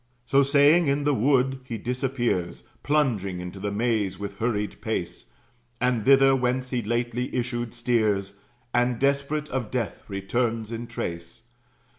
So saying, in the wood he disappears, Plunging into the maze with hurried pace; And thither, whence he lately issued, steers, And, desperate, of death returns in trace.